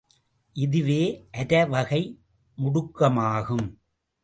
இதுவே ஆரவகை முடுக்கமாகும்.